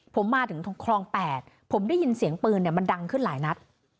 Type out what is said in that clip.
ผมมาถึงคลอง๘ผมได้ยินเสียงปืนมันดังขึ้นหลายนัด